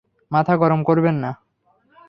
মাথা গরম করবেন না।